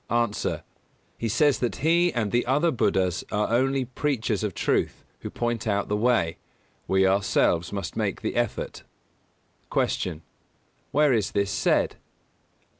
_ A. He says that he and the other Buddhas are only "preachers" of truth who point out the way: we ourselves must make the effort. 198. Q. _Where is this said?